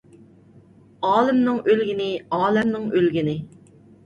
ئالىمنىڭ ئۆلگىنى ئالەمنىڭ ئۆلگىنى.